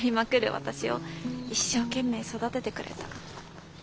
私を一生懸命育ててくれた。